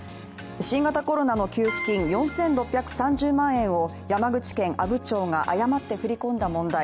新型コロナの給付金４６３０万円を山口県阿武町が誤って振り込んだ問題。